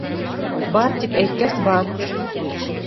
— Бар тип әйткәс, бар!